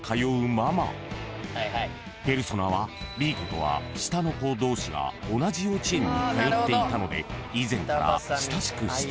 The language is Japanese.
［ペルソナはＢ子とは下の子同士が同じ幼稚園に通っていたので以前から親しくしていた］